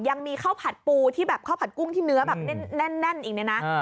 ยังมีข้าวผัดปูที่แบบข้าวผัดกุ้งที่เนื้อแบบแน่นอีกเนี่ยนะ